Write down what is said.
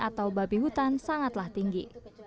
atau babi hutan sangatlah tinggi